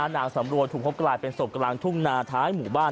นางสำรวยถูกพบกลายเป็นศพกลางทุ่งนาท้ายหมู่บ้าน